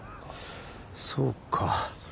そうか。